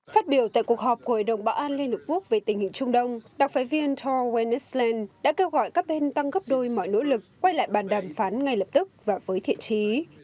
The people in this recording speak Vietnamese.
phát biểu tại cuộc họp của hội đồng bảo an liên hợp quốc về tình hình trung đông đặc phái viên tow wen nesland đã kêu gọi các bên tăng gấp đôi mọi nỗ lực quay lại bàn đàm phán ngay lập tức và với thiện trí